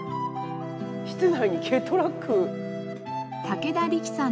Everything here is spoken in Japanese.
室内に軽トラック。